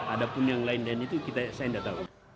ada pun yang lain dan itu saya tidak tahu